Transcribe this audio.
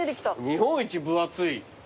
「日本一ぶ厚い」